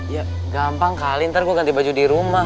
ya gampang kali ntar gue ganti baju dirumah